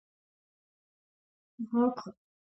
დააყენეთ ძლიერი პაროლები და არასოდეს გააზიაროთ ის.